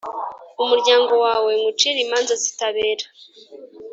umuryango wawe nywucire imanza zitabera,